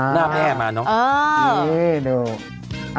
หน้าแม่มาเนอะ